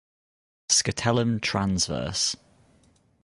Scutellum transverse.